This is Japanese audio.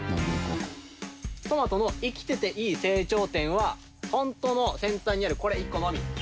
トマトの生きてていい生長点は本当の先端にあるこれ１個のみ。